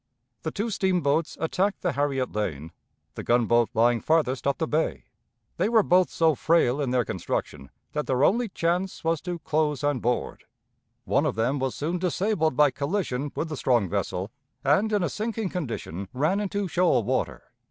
The two steamboats attacked the Harriet Lane, the gunboat lying farthest up the bay. They were both so frail in their construction that their only chance was to close and board. One of them was soon disabled by collision with the strong vessel, and in a sinking condition ran into shoal water.